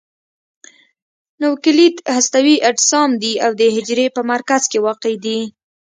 نوکلوئید هستوي اجسام دي او د حجرې په مرکز کې واقع دي.